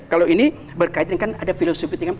kalau ini berkaitkan ada filosofi